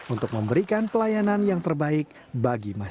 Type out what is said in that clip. untuk memberikan pelayanan yang terbaik bagi masyarakat